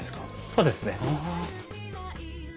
そうですね。